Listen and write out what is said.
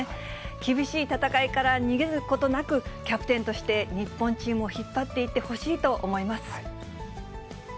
厳しい戦いから逃げることなく、キャプテンとして日本チームを引っ張っていってほしいと思います。